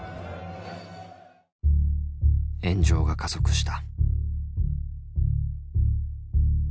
炎上が加速した。